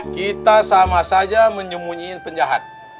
kita sama saja menyembunyiin penjahat